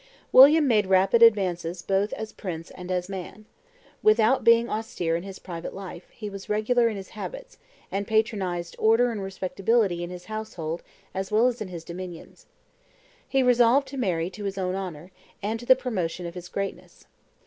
William made rapid advances both as prince and as man. Without being austere in his private life, he was regular in his habits, and patronized order and respectability in his household as well as in his dominions. He resolved to marry to his own honor, and to the promotion of his greatness.